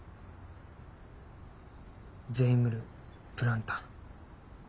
「ジェイムルプランタン」。